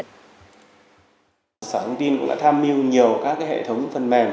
sở thông tin cũng đã tham mưu nhiều các hệ thống phần mềm